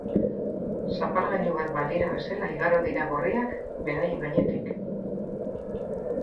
Zapalgailu bat balira bezala igaro dira gorriak beraien gainetik.